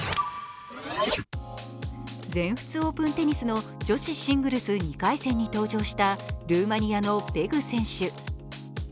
全仏オープンテニスの女子シングルス２回戦に登場したルーマニアのベグ選手。